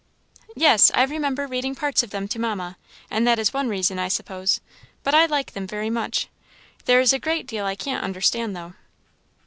"Yes. I remember reading parts of them to Mamma, and that is one reason, I suppose; but I like them very much. There is a great deal I can't understand, though."